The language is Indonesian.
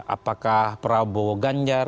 apakah prabowo ganjar